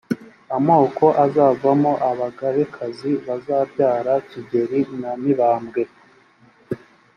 amoko azavamo abagabekazi bazabyara kigeri na mibambwe